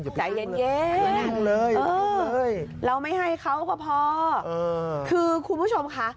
อย่าพิทักษ์เลยอย่าพิทักษ์เลยเออเราไม่ให้เขาก็พอคือคุณผู้ชมค่ะ